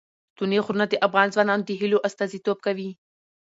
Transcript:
ستوني غرونه د افغان ځوانانو د هیلو استازیتوب کوي.